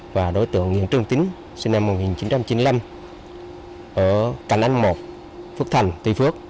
và đối tượng nguyễn trương tín sinh năm một nghìn chín trăm chín mươi năm ở cành anh một phước thành tuy phước